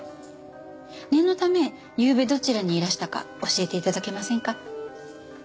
念のためゆうべどちらにいらしたか教えて頂けませんか？